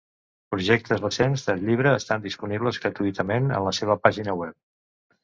Projectes recents del llibre estan disponibles gratuïtament en la seva pàgina web.